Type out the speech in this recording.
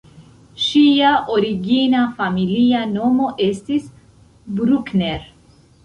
Ŝia origina familia nomo estis "Bruckner".